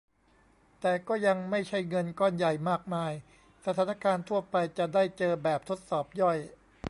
แต่ก็ยังไม่ใช่เงินก้อนใหญ่มากมายสถานการณ์ทั่วไปจะได้เจอแบบทดสอบย่อย